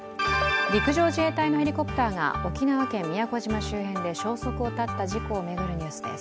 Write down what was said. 陸上自衛隊のヘリコプターが沖縄県宮古島周辺で消息を絶ったことを巡るニュースです。